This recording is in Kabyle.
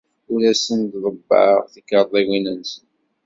Ur asen-ḍebbɛeɣ tikarḍiwin-nsen.